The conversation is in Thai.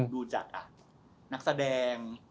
ดูจากนักแสดง